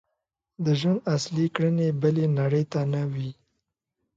د ژوند اصلي کړنې بلې نړۍ ته نه وي.